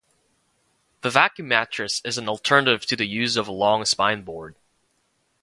The vacuum mattress is an alternative to the use of a long spine board.